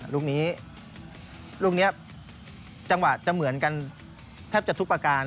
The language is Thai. ลูกนี้ลูกนี้จังหวะจะเหมือนกันแทบจะทุกประการ